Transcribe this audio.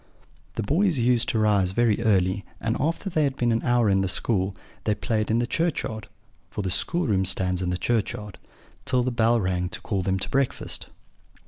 "The boys used to rise very early, and, after they had been an hour in school, they played in the churchyard (for the schoolroom stands in the churchyard) till the bell rang to call them to breakfast.